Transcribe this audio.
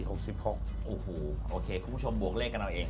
โอ้โหโอเคคุณผู้ชมบวกเลขกันเอาเอง